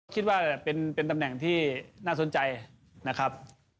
คิดว่าเป็นตำแหน่งที่น่าสนใจนะครับ